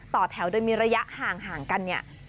ต่อแถวโดยมีระยะห่างกันเนี่ย